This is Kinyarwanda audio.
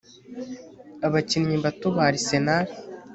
Abakinnyi bato ba Arsenal